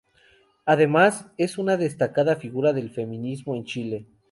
Además, es una destacada figura del feminismo en Chile.